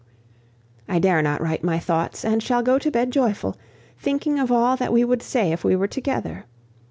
I dare not write my thoughts, and shall go to bed joyful, thinking of all that we would say if we were together.